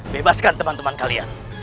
bebaskan teman teman kalian